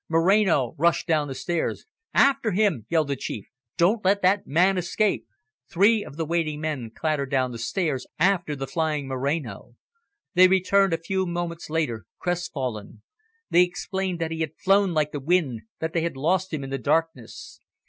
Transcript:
Moreno rushed down the stairs. "After him," yelled the Chief. "Don't let that man escape." Three of the waiting men clattered down the stairs after the flying Moreno. They returned a few moments later, crestfallen. They explained that he had flown like the wind, that they had lost him in the darkness.